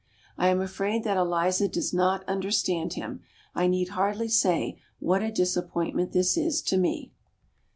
I am afraid that Eliza does not understand him. I need hardly say what a disappointment this is to me.